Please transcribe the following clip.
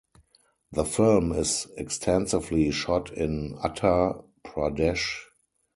The film is extensively shot in Uttar Pradesh.